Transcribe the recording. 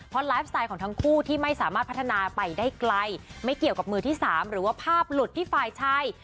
เพราะไลฟ์สไตล์ของทั้งคู่ที่ไม่สามารถพัฒนาไปได้ไกลไม่เกี่ยวกับมือที่สามหรือว่าภาพหลุดที่ฝ่ายชาย